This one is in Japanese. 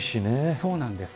そうなんです。